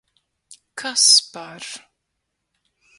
Kas par...